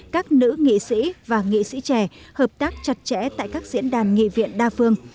các nữ nghị sĩ và nghị sĩ trẻ hợp tác chặt chẽ tại các diễn đàn nghị viện đa phương